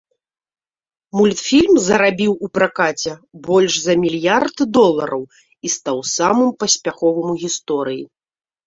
Мультфільм зарабіў у пракаце больш за мільярд долараў і стаў самым паспяховым у гісторыі.